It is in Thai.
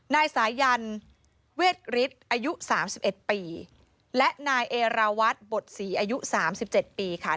นายสายันเวทฤษอายุ๓๑ปีและนายเอราวัตรบทศรีอายุ๓๗ปีค่ะ